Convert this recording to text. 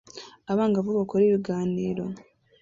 Abangavu bakora ibiganiro